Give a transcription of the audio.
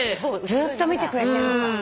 ずっと見てくれてるのか。